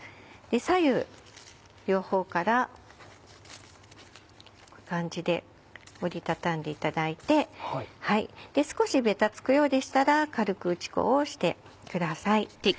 左右両方からこういう感じで折り畳んでいただいて少しベタつくようでしたら軽く打ち粉をしてください。